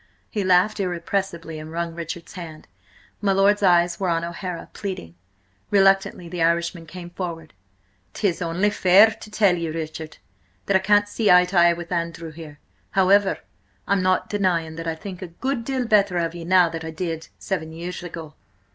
He laughed irrepressibly, and wrung Richard's hand. My lord's eyes were on O'Hara, pleading. Reluctantly the Irishman came forward. "'Tis only fair to tell you, Richard, that I can't see eye to eye with Andrew, here. However, I'm not denying that I think a good deal better of ye now than I did–seven years ago."